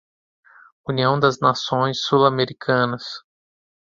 União das Nações Sul-Americanas